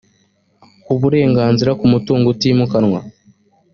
uburenganzira ku mutungo utimukanwa